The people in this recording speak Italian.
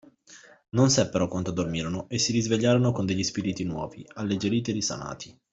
Non seppero quanto dormirono, e si risvegliarono con degli spiriti nuovi, alleggeriti e risanati.